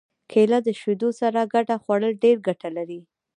کېله د شیدو سره ګډه خوړل ډېره ګټه لري.